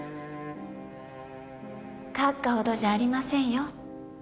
閣下ほどじゃありませんよ。